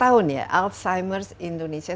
sepuluh tahun ya alzheimer indonesia